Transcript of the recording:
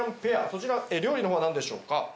そちら料理の方はなんでしょうか？